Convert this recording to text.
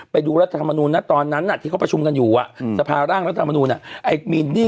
ไปดูรัฐธรรมนุนตอนนั้นที่เขาประชุมกันอยู่สภาร่างรัฐธรรมนุน